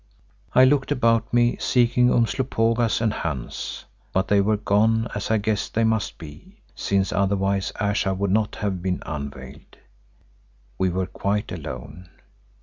I looked about me, seeking Umslopogaas and Hans. But they were gone as I guessed they must be, since otherwise Ayesha would not have been unveiled. We were quite alone.